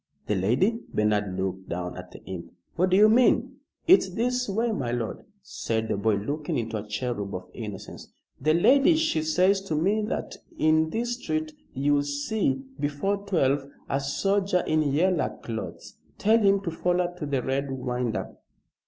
"The lady!" Bernard looked down at the imp. "What do you mean?" "It's this way, my lord," said the boy, looking like a cherub of innocence. "The lady, she says to me that in this street you'll see, before twelve, a soldier in yeller clothes. Tell him to foller to the Red Winder."